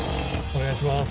お願いします。